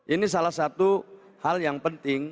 ini salah satu hal yang penting